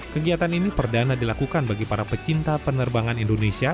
kegiatan ini perdana dilakukan bagi para pecinta penerbangan indonesia